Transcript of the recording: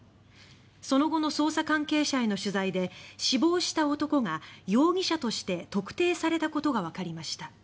その後の捜査関係者への取材で死亡した男が容疑者として特定されたことがわかりました。